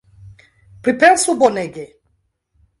Pripensu bonege!